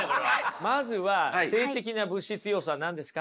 まずは「静的な物質要素」は何ですか？